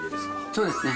そうですね。